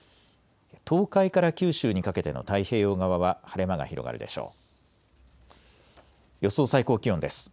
東海から九州にかけての太平洋側は晴れ間が広がるでしょう。